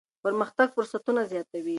پرمختګ فرصتونه زیاتوي.